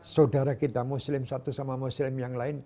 saudara kita muslim satu sama muslim yang lain